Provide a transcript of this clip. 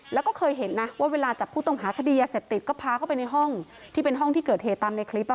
แล้วก็เคยเห็นนะว่าเวลาจับผู้ต้องหาคดียาเสพติดก็พาเข้าไปในห้องที่เป็นห้องที่เกิดเหตุตามในคลิป